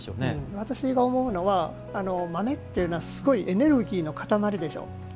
私が思うのは豆っていうのはすごいエネルギーの塊でしょ。